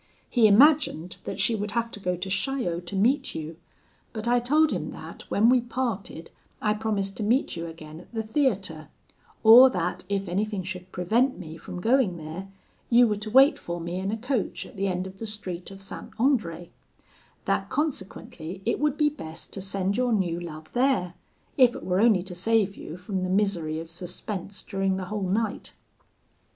He imagined that she would have to go to Chaillot to meet you, but I told him that, when we parted, I promised to meet you again at the theatre, or that, if anything should prevent me from going there, you were to wait for me in a coach at the end of the street of St. Andre; that consequently it would be best to send your new love there, if it were only to save you from the misery of suspense during the whole night.